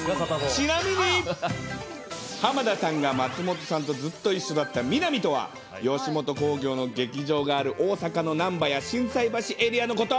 ちなみに、浜田さんが松本さんとずっと一緒だったミナミとは、吉本興業の劇場がある大阪の難波や心斎橋エリアのこと。